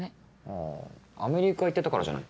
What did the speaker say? あアメリカ行ってたからじゃない？